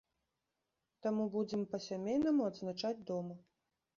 Таму будзем па-сямейнаму адзначаць дома.